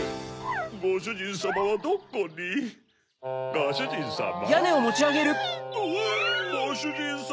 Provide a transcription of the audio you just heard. ごしゅじんさま！